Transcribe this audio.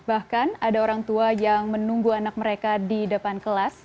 bahkan ada orang tua yang menunggu anak mereka di depan kelas